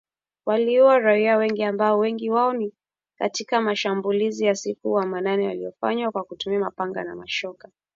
Waliua raia wengi ambapo wengi wao ni katika mashambulizi ya usiku wa manane yaliyofanywa kwa kutumia mapanga na mashoka.